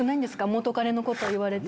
元彼のことを言われて？